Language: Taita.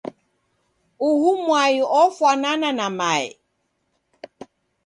uhu mwai ofwanana na mae.